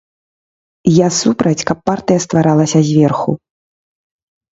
Я супраць, каб партыя стваралася зверху.